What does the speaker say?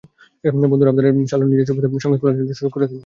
বন্ধুর আবদারে সাল্লু নিজের ছবিতে সংগীত পরিচালনার সুযোগ করে দেন হিমেশকে।